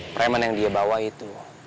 preman yang dia bawa itu